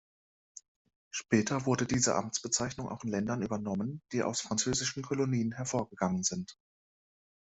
Später wurde diese Amtsbezeichnung auch in Ländern übernommen, die aus Französischen Kolonien hervorgegangen sind.